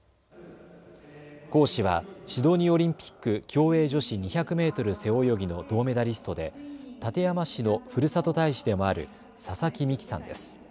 講師はシドニーオリンピック競泳女子２００メートル背泳ぎの銅メダリストで館山市のふるさと大使でもある佐々木美樹さんです。